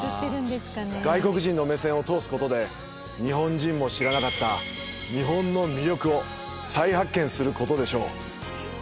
外国人の目線を通す事で日本人も知らなかった日本の魅力を再発見する事でしょう。